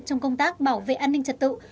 trong công tác bảo vệ an ninh trật tự